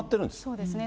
そうですね。